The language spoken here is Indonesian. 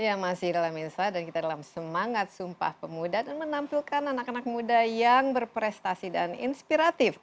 ya masih dalam insight dan kita dalam semangat sumpah pemuda dan menampilkan anak anak muda yang berprestasi dan inspiratif